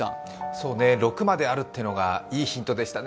そうね、６まであるというのがいいヒントでしたね